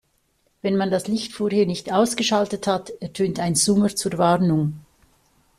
Wenn man das Licht vorher nicht ausgeschaltet hat, ertönt ein Summer zur Warnung.